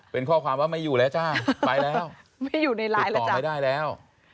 เป็นข้อความว่าไม่อยู่แล้วจ้ะไปแล้วติดต่อไม่ได้แล้ว